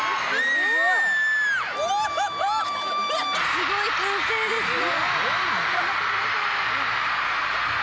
すごい歓声ですね。